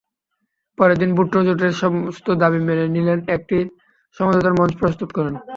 পরের দিন, ভুট্টো জোটের সমস্ত দাবি মেনে নিলেন এবং একটি সমঝোতার মঞ্চ প্রস্তুত করেন।